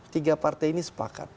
tiga partai ini sepakat